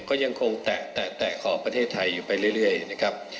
ก็ยังคงแตะขอบประเทศไทยอยู่ไปเรื่อยนะครับ